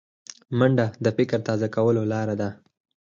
منډه د فکر تازه کولو لاره ده